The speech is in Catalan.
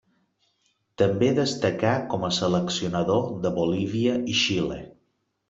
També destacà com a seleccionador de Bolívia i Xile.